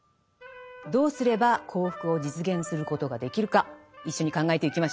どうすれば幸福を実現することができるか一緒に考えてゆきましょう。